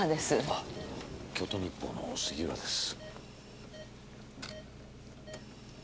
あ京都日報の杉浦です。